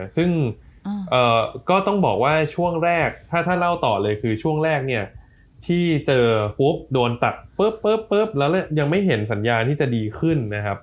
ซึ่งก็ต้องบอกว่าช่วงแรกถ้าเล่าต่อเลยคือช่วงแรกเนี่ยที่เจอปุ๊บโดนตัดปุ๊บแล้วยังไม่เห็นสัญญาณที่จะดีขึ้นนะครับ